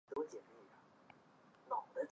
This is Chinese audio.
本站为地下岛式站台车站。